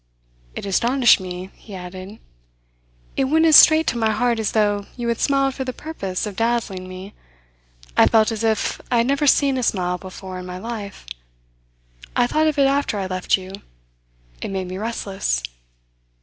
"It astonished me," he added. "It went as straight to my heart as though you had smiled for the purpose of dazzling me. I felt as if I had never seen a smile before in my life. I thought of it after I left you. It made me restless."